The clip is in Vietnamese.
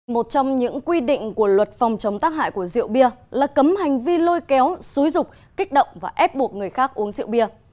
một trong những quy định của luật phòng chống tác hại của rượu bia là cấm hành vi lôi kéo xúi rục kích động và ép buộc người khác uống rượu bia